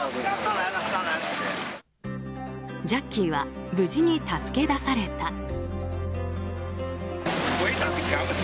ジャッキーは無事に助け出された。